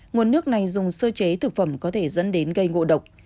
nguồn nước này dùng sơ chế thực phẩm có thể dẫn đến gây ngộ độc